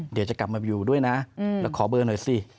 เดี๋ยวจะกลับมาอยู่ด้วยนะแล้วขอเบอร์หน่อยสิ